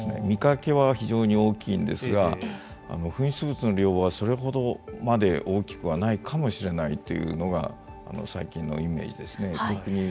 見かけは非常に大きいんですが噴出物の量はそれほど大きくないかもしれないというのが最近のイメージですね。